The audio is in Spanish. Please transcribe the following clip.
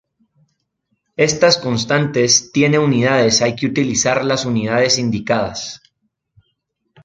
Estas constantes tiene unidades hay que utilizar las unidades indicadas.